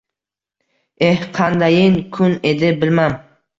Eh, qandayin kun edi, bilmam